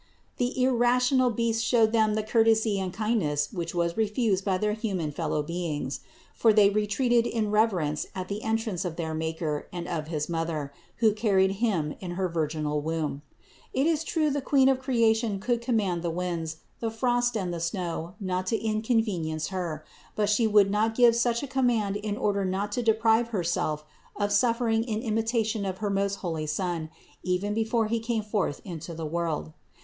The irrational beasts showed them the courtesy and kindness which was re fused by their human fellow beings; for they retreated in reverence at the entrance of their Maker and of his Mother, who carried Him in her virginal womb. It is true the Queen of creation could command the winds, the frost and the snow not to inconvenience Her; but She would not give such a command in order not to deprive Herself of suffering in imitation of her most holy Son, even before He came forth into the world.